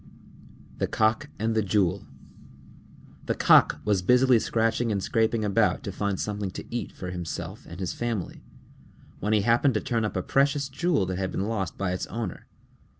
_ THE COCK AND THE JEWEL A Cock was busily scratching and scraping about to find something to eat for himself and his family, when he happened to turn up a precious jewel that had been lost by its owner.